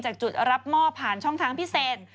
จากจุดรับมอบผ่านช่องทางพิเศษ